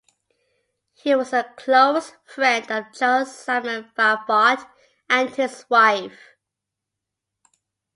He was a close friend of Charles Simon Favart and his wife.